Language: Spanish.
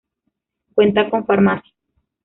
Cuenta con farmacia.